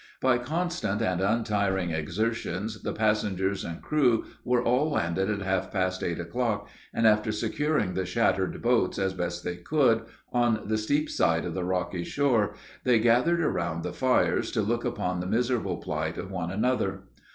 By constant, and untiring exertions, the passengers and crew were all landed at half past eight o'clock, and after securing the shattered boats, as best they could, on the steep side of the rocky shore, they gathered around the fires, to look upon the miserable plight of one another.